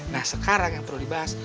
nah sekarang yang perlu dibahas